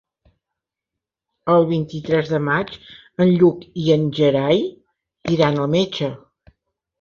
El vint-i-tres de maig en Lluc i en Gerai iran al metge.